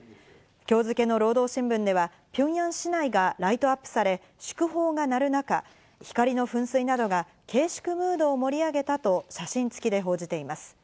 今日付けの労働新聞ではピョンヤン市内がライトアップされ祝砲が鳴る中、光の噴水などが慶祝ムードを盛り上げたと写真付きで報じています。